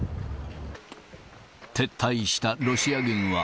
撤退したロシア軍は、